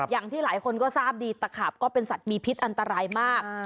อย่างที่หลายคนก็ทราบดีตะขาบก็เป็นสัตว์มีพิษอันตรายมาก